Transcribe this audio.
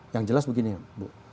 yang jelas begini bu